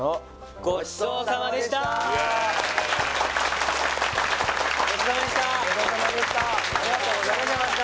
・ごちそうさまでしたありがとうございました